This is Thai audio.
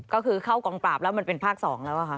ก็คือเข้ากองปราบแล้วมันเป็นภาค๒แล้วค่ะ